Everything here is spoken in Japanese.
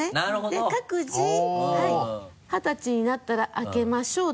で各自二十歳になったら開けましょう。